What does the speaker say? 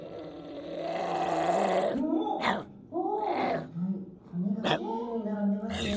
すギョい骨がきれいに並んでますね。